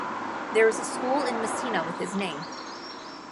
There is a school in Messina with his name.